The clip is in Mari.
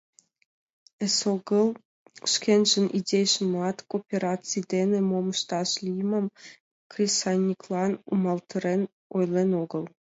Эсогыл шкенжын идейжымат — коопераций дене мом ышташ лиймым — кресаньыклан умылтарен ойлен огыл.